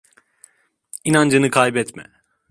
İnancını kaybetme.